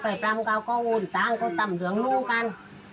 ไปปรามเกาะก็อุ่นตามก็ตำเหลืองมูกัน